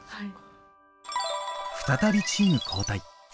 再びチーム交代。